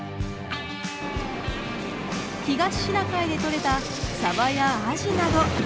東シナ海で取れたサバやアジなど。